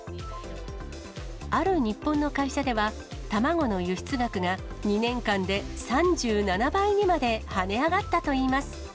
ある日本の会社では、卵の輸出額が２年間で３７倍にまで跳ね上がったといいます。